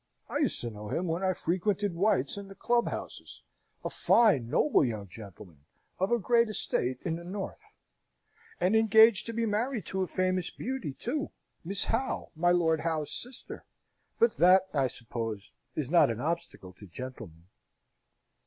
I used to know him when I frequented White's and the club houses a fine, noble young gentleman, of a great estate in the North." "And engaged to be married to a famous beauty, too Miss Howe, my Lord Howe's sister but that, I suppose, is not an obstacle to gentlemen?"